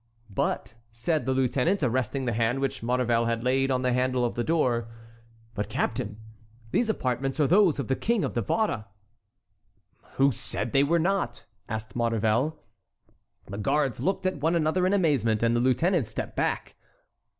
"But," said the lieutenant, arresting the hand which Maurevel had laid on the handle of the door, "but, captain, these apartments are those of the King of Navarre." "Who said they were not?" asked Maurevel. The guards looked at one another in amazement, and the lieutenant stepped back.